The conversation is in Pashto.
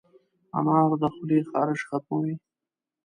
انار د خولې خارش ختموي.